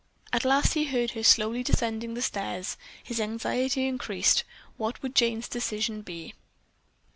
At last he heard her slowly descending the stairs. His anxiety increased. What would Jane's decision be?